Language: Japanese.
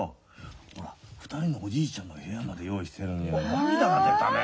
ほら２人のおじいちゃんの部屋まで用意してるの涙が出たね。